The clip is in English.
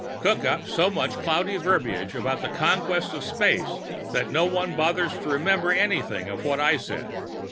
Cook up so much cloudy verbiage about the conquest of space that no one bothers to remember anything of what I said.